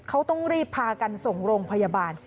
เขาต้องรีบพากันส่งโรงพยาบาล